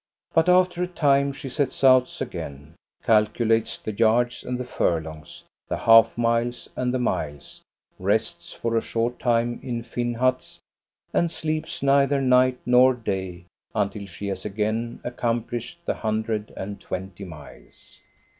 But after a time she sets out again, calculates the yards and the furlongs, the half miles and the miles, rests for a short time in Finn huts, and sleeps neither night nor day until she has again accomplished the hundred and twenty miles.